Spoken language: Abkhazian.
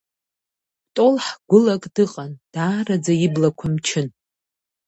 Кәтол ҳгәылак дыҟан, даараӡа иблақәа мчын.